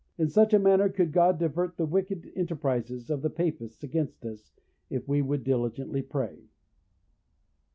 In such a manner could God divert the wicked enterprises of the Papists against us, if we would diligently pray.